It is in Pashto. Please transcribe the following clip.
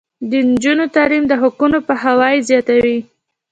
د نجونو تعلیم د حقونو پوهاوی زیاتوي.